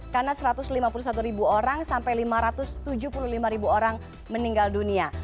karena satu ratus lima puluh satu ribu orang sampai lima ratus tujuh puluh lima ribu orang meninggal dunia